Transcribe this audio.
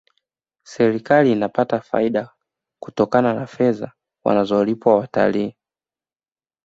serikali inapata faida kutokana na fedha wanazolipwa watalii